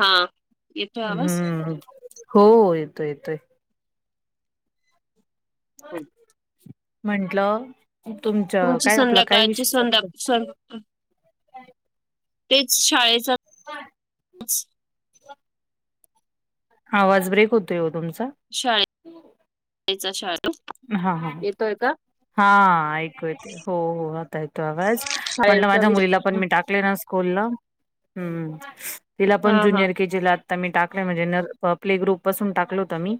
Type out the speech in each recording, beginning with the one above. हा येतोय आवाज हुं हों येतोय, येतोय. [inaudible] म्हंटलं तुमच्या तुमची काय आपला काय संध्याकाळची विषय चालत संध्या संध् तेच शाळेचा आवाज ब्रेक होतोय ओ तुमचा. शाळेत [unintelligible] तो. हा हा. येतोय का? हा ऐकू येते हो हो आता येतो आवाज, म्हटलं शाळेचा माझ्या मुलीला पण विषय मी टाकले ना स्कूलला. हम्म, तिला हा पण हा ज्युनियर के जी ला आता मी टाकलंय म्हणजे न प्ले ग्रुप पासून टाकलं होतं मी,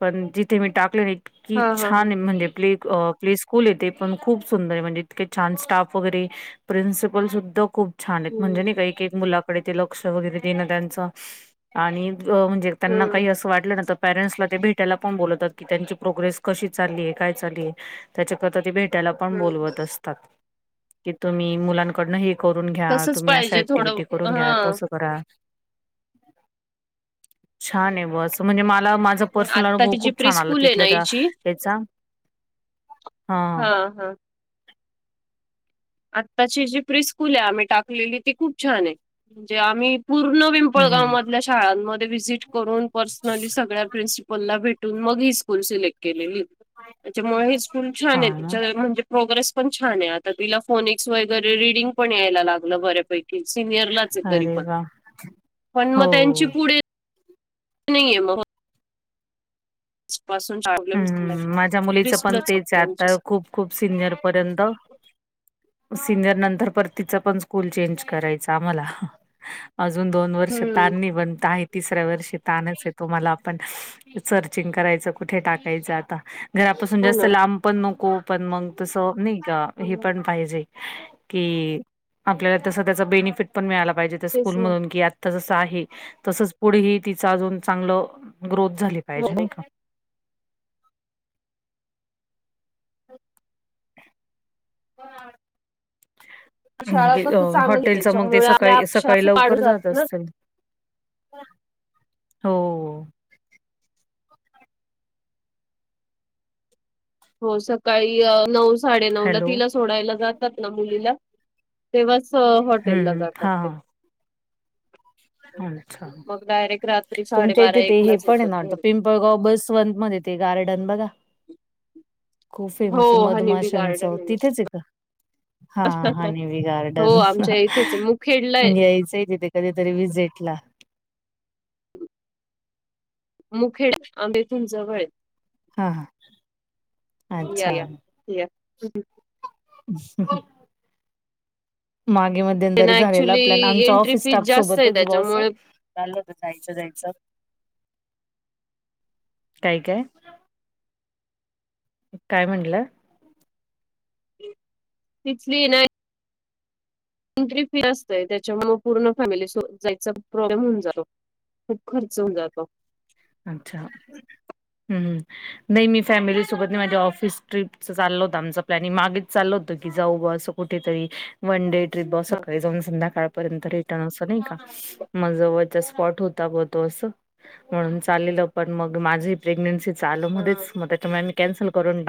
पण जिथे मी टाकलं न हा हा ह छान म्हणजे प्ले अ प्ले स्कूलये ते खूप सुंदर आहे म्हणजे इतके छान स्टाफ वगैरे. प्रिन्सिपल सुद्धा खूप छान आहेत हम्म म्हणजे नाही का एक एक मुलाकडे ते लक्ष वगैरे देणं त्यांच आणि म्हणजे त्यांना काही हम्म असं वाटलं ना तर पॅरेंट्सला ते भेटायला पण बोलवतात, की त्यांची प्रोग्रेस कशी चाललीय काय चाललीय त्याच्याकरता ते भेटायला पण बोलवत अस तात, की तुम्ही मुलांकडन हे करून घ्या तसच तुम्ही अशा पाहिजे थोडं ऍक्टिव्हटी करून हा घ्या तसं करा. छान आहे ब असं म्हणजे मला मा झा पर्सनल अनुभव आत्ताची जी खूप प्री छान आला स्कूल आहे ना तिथल्या त्या हिची हेचा हा. हा हा. आत्ताची जी प्रिस्कूल आहे आम्ही टाकलेली ती खूप छान आहे, म्हणजे आम्ही पूर्ण पिंपळगाव मधल्या शाळांमध्ये व्हिजिट करून पर्सनली सगळ्या प्रिंसि पला भेटून मग ही स्कूल सिलेक्ट केलेली. त्याच्यामुळे ही स्कूल हा छान ना आहे म्हणजे प्रोग्रेस पण छान आहे. आता तिला फोनिक्स वगैरे रीडिंग पण यायला लाग ली बऱ्या पैकी सिनियरलाच आहे तरी अरे पण, वा पण मग हो त्यांची पुढे नाहीय मग. [unintelligible] पासून शाळा हम्म माझ्या मुलीचं पण तेच त्यांची आता खूप खूप सिनियर पर्यंत सिनियर नंतर परत तिचं पण स्कूल चेंज करायचं आम्हाला. अजून दोन वर्ष हम्म ताण नाही बनत आहेत. तिसऱ्या वर्षी तानच येतो मला पण सर्चिंग करायचं, कुठे टाकायचं आता? घरापासून हो जास्त ना. लांब पण नको पण मग तसं नाही का, हो हे ना. पण पाहिजे. कि आपल्याला तसं त्याचा बेनिफिट पण मिळाला पाहिजे, त्या तेच स्कूल ना मधून कि तससं आहे तसंच पुढेही तिच अजून चांगलं ग्रोथ झाली हो. पाहिजे नाही का. [inaudible] [inaudible] शाळा मागे कसं चांगली हॉटेलच मग ते त्याच्यामुळे आपल्या सकाळी अपेक्षा सकाळी असं पाडू लवकर जात ना. असतील? हो. हो सकाळी अ नऊ साडेनऊला हॅलो तिला सोडायला जातात ना मुलीला. तेव्हाच हॉटेलला हम्म जातात ते. हां अच्छा, मग डायरेक्ट रात्री तुमच्या साडेबारा इथे एक ते हे लाच पण आहे येतात ना आता घरी. पिं पळगाव बसवंत मध्ये ते गार्डन बघा. खूप हो फेमस आहे हनीबी मधमाशांच गार्डन ना. तिथेच आहे का? हा हनी बी हो गार्डन आमच्या इथेच आहे मुखेडला आहे. यायचंय तिथे तरी विजेटला. मुखेड आम इथून जवळय. हा हा आहे या अच्छा. या या. [inaudible] मागे मध्यंतरी त्यांना झालेला ऍक्च्युली प्लॅन आमच्या एंट्री ऑफिस फीस स्टाफ जास्त आहे सोबतच ब अस. त्याच्यामुळे चाल होत जायचं जायचं काय काय. काय म्हणलं. तिथली नाही. एंट्री फी असतय त्याच्यामुळे पूर्ण फॅमिली जायचा प्रॉब्लेम होऊन जातो. खूप खर्च होऊन जातो. अच्छा. नाही मी फॅमिलीसोबत नाही माझ ऑफिस ट्रपच चाललं होतं आमचा प्लॅनि मागेच चाल होत की जाऊ असं. कुठेतरी वन डे ट्रीप बस हा. सकाळी जाऊन संध्याकाळपर्यंत मग अस नाही का जवळ स्पॉट होता तो अस म्हणून चालेलं पण मग माझी ही चाल हा. मध्येच मग त्याच्यामुळे मी कॅन्सल करून.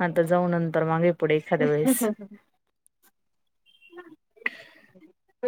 आता जाऊन नंतर मागे पुढे एखाद्या वेळेस.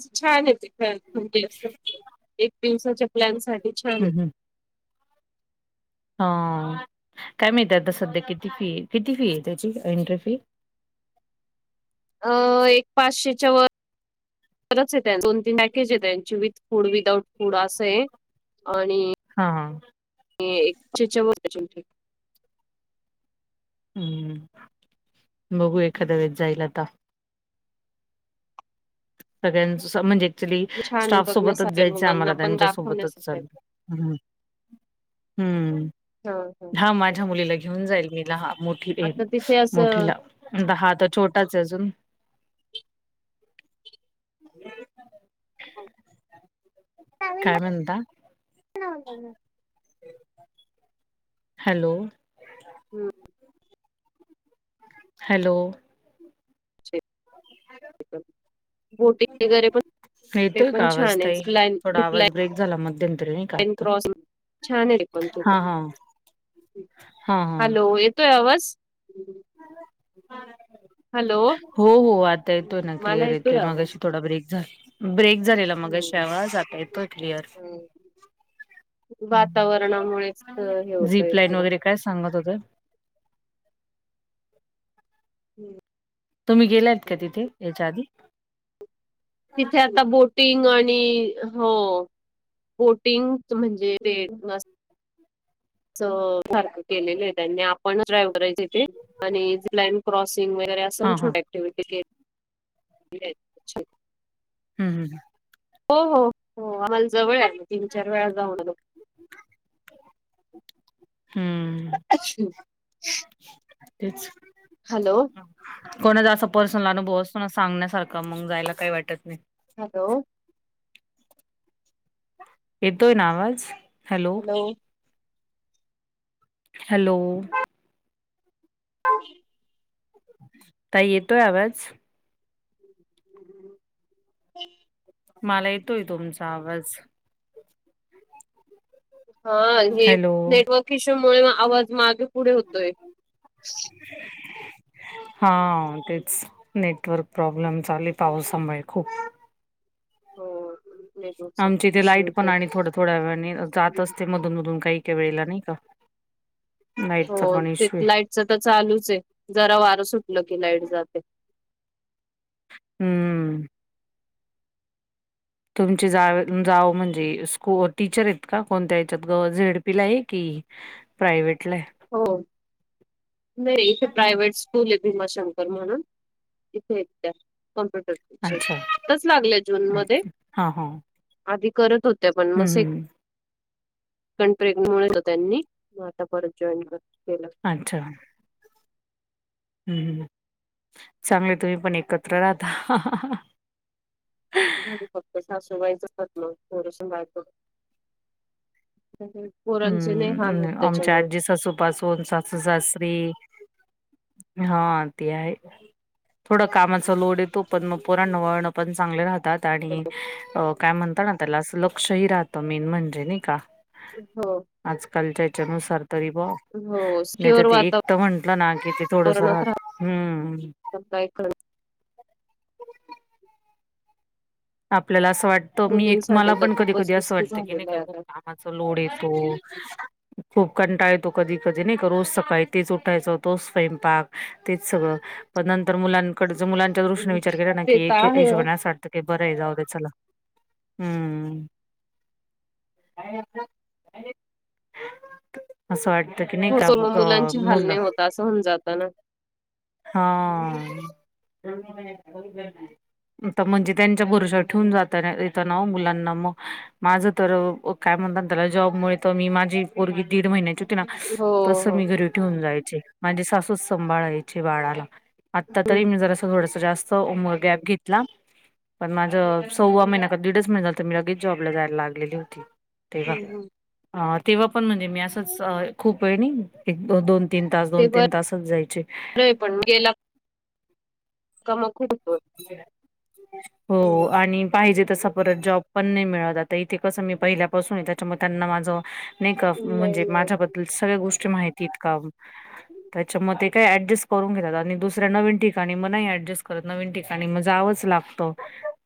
स छान आहे ते म्हणजे अस एक दिवसाच्या प्लॅन साठी छान आहे. हम्म ह काय माहित आहे आता सध्या किती फी आहे किती फी आहे त्याची एंट्री फी? अ एक पाचशेच्या व परचेत दोन तीन पॅकेज येत त्यांची विथ फूड विदाउट फूड असं आहे. आणि. हा. एकशे च. हम्म बघू एखादया वेळेस जाईल आता. सगळ्यां म्हणजे. क्चुली छान आहे स्टाफ सोबतच बघण्यासारखं आहे जायच आम्हाला मुलांना पण त्यांच्या सोबतच दाखवण्यासारखं चाल. आहे हम्म हा माझ्या मुलीला घेऊन जाईल मीला मोठ. आता तिथे असं मोठीला हा तर छोटाच अजून काय म्हणता. [inaudible] हॅलो. हॅलो. हॅलो. [inaudible] बोटिंग वगैरे पण ते येतोय का पण आवाज छान ताई? थोडा आहेला. आवाज ब्रेक झाला मध्यंतरी नाही का आता कॉ छान हा हा हा हा. हॅलो. येतोय आवाज? हॅलो हो हो आता येतोय ना मला क्लिअर येतोय मग आवाज अशी थोडा ब्रेक झाला. ब्रेक झालेला मगाशी हम्म आवाज आता येतोय क्लिअर. हम्म वातावरणामुळेच हे होतय झीप लाईन थोडं. वगैरे काय सांगत होत. हम्म. तुम्ही गेलात का तिथे याच्या आधी तिथे आता बोटिंग आणि हो बोटिंग म्हणजे ते स सारखं केलेली आहे त्यांनी आपणच ड्रायव्ह करायची ते. आणि ईन क्रॉसिंग वगैरे असं पण हा हा छोट्या ऍक्टिव्हटी [inaudible] हम्म हम्म हम. हो हो हो आम्हांला जवळं आं तीनं चार वेळां जाऊंन आलो. हम्मं. अच्छा. तेचं. हॅलो. कोणाचं असं पर्सनल अनुभव असतो नां सांगण्यांसारखं मगं जायंला कांहीं वाटतं नाहीं. हॅलो. येतोय नां आवांज? हॅलो. हॅलो हं ताई येतोय आवांज हम्मं मलां येतोय तुमचां आवांज हां हे हॅलो नेटवर्क इश्यूं मुळे आवांज मागे पुढे होतोय हां तेचं नेटवर्क प्रॉब्लेम चाली हम्म. पावसांमुळे खूंप हो नेटवर्कचा आमची इथे इश्यू लाईट पण होतोय. आणि थोड्यां- थोड्यां वेळांन जातं असते मधूंन- मधूंन कांहीं -कांहीं वेळेलां नाहीं कां हो ते आहे लाईटचं तरं चालूं चं आहे जरां वारं सुटलं की लाईट जाते. हम्मं तुमची जां जावं म्हणजे को टीचर आहेतं कां कोणंत्या याच्यांत झेडपीला आहे की प्रायव्हेटलांय हो नाहीं इथे प्रायव्हेट स्कूंल आहे भीमाशंकर म्हणूंन इथे त्यां कॉम्प्युंटर टीचरं अच्छा इथेचं लागले हं, जूंनमध्यें हां, हां. आंधी करतं होत्यां पणं हं, मस हं. कोणंमुळें त्यांनी आंता परंत जॉईन केलं अच्छा हम्मं चांगले तुम्हीं पणं एकत्रं राहतां घरी फक्तं सासू बाईंचं स्वप्नं थोडंसं मांय पोरांचे नाहीं हालं होतं त्यांच्यामुळे पासून सांसू सासरे हां ते आहे थोडं कामांचा लोडं येतो पणं मगं पोरांना वळणं पणं चांगले राहतांत. आणि अं कायं म्हणतांना त्यांला असं लक्षंही राहतं मेन म्हणजे नाहीं कां हो आंजकांलच्या यांच्यानुसार तरी हो नाहीं तरं सिक्युअर ते एकटं तरं म्हंटलं नां कि ते थोडंसं राहतं हम्मं सं कायं करतं आपल्यांला असं वाटतं मी एक मुलींसाठी मलां तर पणं कधीं खूपच -कधीं असं रिस्की वाटतं की नाहीं झालेलं आहे कां खूंप आता कां कामांचा लोड येतो खूंप कंटाळा येतो कधीं -कधीं नाहीं कां रोजं सकाळीं उठायचं तोचं स्वयंपाक तेचं सगळं पणं नंतर मुलांकड मुलांच्या दृष्टीने हम्म. विचांर केलां नां ते की तर एक आहे हो हिशोबांने असं वाटतं की बरं आहे जाऊं द्या चलां हम्मं कां असं वाटतं की नाहीं थोडस कां मग मुलांची अं हाल मुलं नाही होत असं होऊन जात ना हा, [unintelligible] त म्हणजे त्यांच्या, भरोशावर ठेवून जात येत ना, मुलांना मग माझं तर, काय म्हणत त्याला, जॉबमुळे तर मी माझी पोरगी दीड महिन्याची, हो तसं, हो मी घरी ठेवून जायची, माझी सासू सबलायची बाळाला, आत्ता, तरी हम्म मी जर असं थोडस, जास्त उम गॅप घेतला. पण, माझं सव्वा महिना का, दीडच महिना तर मी लगेच, जॉबला जायला लागलेली होती. हम्म हम्म. तेव्हा- तेव्हा पण म्हणजे मी असंच, खूप वेळ नाही एक दो दोन तीन तास, ते दोन, बरं तीन तासच जायचे. आहे पण, गेला का मग [unintelligible] [inaudible] हम्म. हो, आणि पाहिजे तसं, परत जॉब पण नाही मिळाला, ते कसं मी पहिल्यापासून, त्याच्यामुळे त्यांना माझं नाही का, नाही म्हणजे मिळत माझ्याबद्दल, सगळ्या गोष्टी माहिती आहेत का. त्याच्या मधे, काय ऍडजस्ट करून घेतात. आणि दुसऱ्या नवीन ठिकाणी, मग नाही ऍडजस्ट करत. नवीन, ठिकाणी म जावंच लागतो.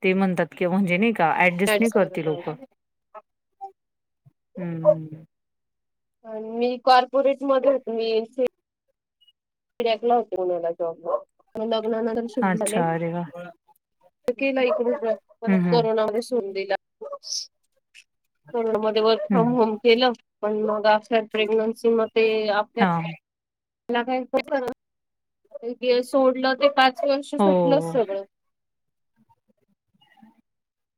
ते म्हणतात की, म्हणजे नाही का, ऍडजस्ट नाही मॅच करती, करत आहोत लोकं. हम, अन मी, कॉर्पोरेट मध्ये होते. मी सिडॅकला होते पुण्याला जॉबला, मग लग्नानंतर शिफ्ट झाले, अच्छा अरे वा केला इकडून प्रयत्न, पण हम्म हम्म करोना मध्ये सोडून दिला. करोनामध्ये, वर्क फ्रॉम हम्म होम केलं. पण मग आफटर प्रेग्नन्सी म ते आपल्या, हा मला काही. जे सोडलं ते, पाच वर्ष हो सुटलच हो. सगळं.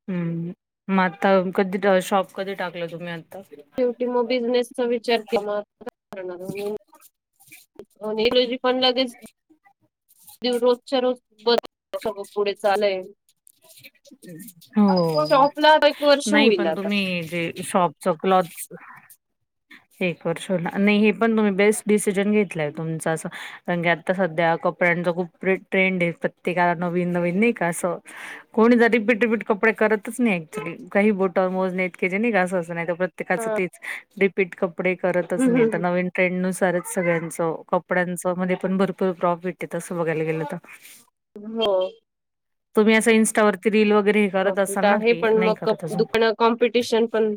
हम्, मग आता कधी, शॉप कधी टाकलं तुम्ही आता? शेवटी मग, बिझनेसचा विचार [inaudible] अन इंग्रजी पण, लगेच देव, रोजच्या, रोज बस [unintelligible] सगळ पुढे चालंंय. हो, शॉपला एक वर्ष नाही होईल पण आता तुम्ही जे शॉक, च कलच. एक वर्ष होईल. नाही हे पण तुम्ही, बेस्ट डिसिजन घेतलंय. तुमचं असं कारण की, आता सध्या कपड्यांच खूप प्रिट्रेंड आहे. प्रत्येकाला नवीन -नवीन नाही का असं. कोणी, रिपीट- रिपीट कपडे करतच नाही. ऍक्च्युली काही बोटावर मोजण्या इतके, जे नाही का असं -असं नाहीतर प्र त्येकाच तेच. रिपीट कपडे करतच नाही. तर नवीन ट्रेंडनुसारच सगळ्यांचं. कपड्यांचं मध्ये पण भरपूर प्रॉफिट आहे, तसं बघायला गेलं तर. [unintelligible] हो, तुम्ही असं, इंस्टावरती रील वगैरे करत असाल प्रॉफिट ना आहे, की पण नाही मग काप करत मग अजून दुकानात, कॉम्पिटिशन पण.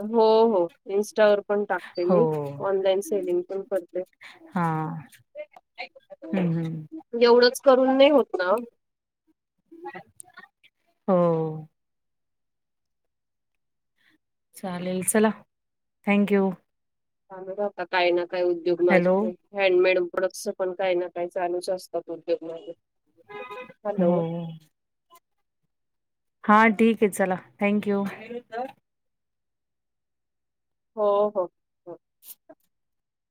हो, हो, इन्स्टावर पण टाकते हो मी. ऑनलाईन सेलिंग पण करते. हा, हम्म, हम्म, एवढंच करून, नाही होत ना? हो, चालेल, चला, थँक्यू. चालू आहेत आता, काही ना काही उद्योग माझे. हॅलो हे हँडमेड प्रोडक्ट्स पण, काही ना, काही चालूच असतात, उद्योग माझे. हॅलो हो, हा, ठीक आहे चला थँक्यू. हो हो.